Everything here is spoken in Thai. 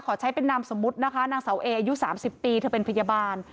ขอใช้เป็นนามสมมุตินะคะนางเสาเออายุ๓๐ปีเธอเป็นพยาบาล